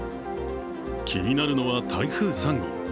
気になるのは台風３号。